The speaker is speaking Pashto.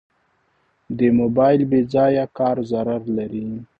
د موبایل بېځایه کار ضرر لري.